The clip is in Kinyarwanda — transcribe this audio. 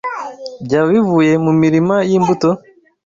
byaba bivuye mu mirima y’imbuto